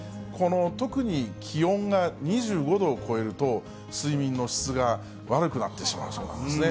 特に気温が２５度を超えると、睡眠の質が悪くなってしまうそうなんですね。